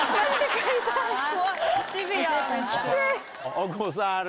大久保さんある？